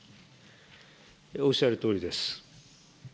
おっしゃるとおりです。